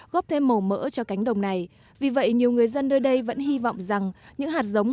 góp thêm màu mỡ cho cánh đồng này vì vậy nhiều người dân nơi đây vẫn hy vọng rằng những hạt giống